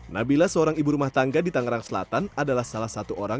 nabila seorang ibu rumah tangga di tangerang selatan adalah salah satu orang